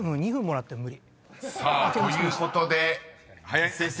［さあということで林先生